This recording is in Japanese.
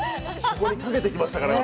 これにかけてきましたからね。